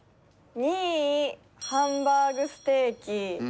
２位ハンバーグステーキ。